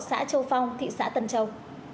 xã châu phong thị xã tân châu